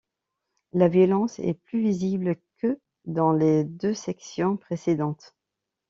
La violence est plus visible que dans les deux sections précédentes.